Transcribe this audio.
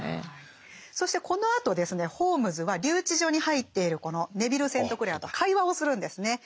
そしてこのあとですねホームズは留置所に入っているこのネヴィル・セントクレアと会話をするんですね。